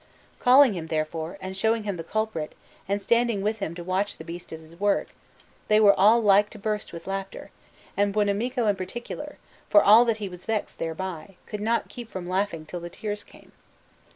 Calling him, therefore, and showing him the culprit, and standing with him to watch the beast at his work, they were all like to burst with laughter; and Buonamico in particular, for all that he was vexed thereby, could not keep from laughing till the tears came.